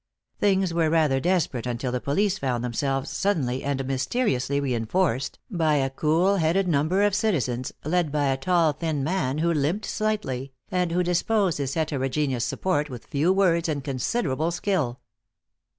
Things were rather desperate until the police found themselves suddenly and mysteriously reenforced by a cool headed number of citizens, led by a tall thin man who limped slightly, and who disposed his heterogeneous support with a few words and considerable skill.